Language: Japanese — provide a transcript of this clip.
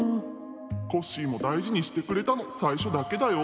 「コッシーもだいじにしてくれたのさいしょだけだよ」。